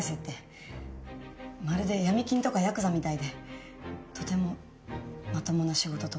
まるで闇金とかヤクザみたいでとてもまともな仕事とは。